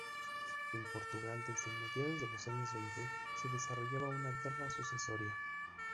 En Portugal desde mediados de los años veinte se desarrollaba una guerra sucesoria.